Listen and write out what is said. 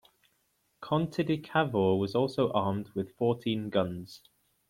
"Conte di Cavour" was also armed with fourteen guns.